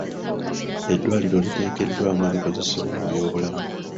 Eddwaliro liteekeddwamu ebikozesebwa mu byobulamu.